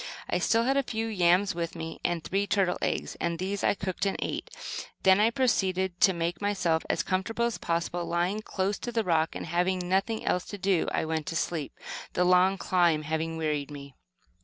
I still had a few yams with me, and three turtles' eggs, and these I cooked and ate. I then proceeded to make myself as comfortable as possible by lying close to the rock, and, having nothing else to do, I went to sleep, the long climb having wearied me.